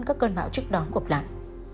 các cơn bão trước đó cuộc lạc